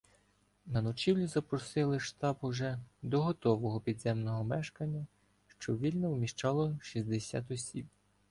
На ночівлю запросили штаб уже до готового підземного мешкання, що вільно вміщало шістдесят осіб.